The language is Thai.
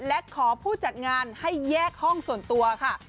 และขอผู้จัดงานให้แยกห้องส่วนตัวค่ะ